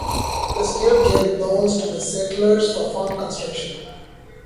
The State gave loans to the settlers for farm construction.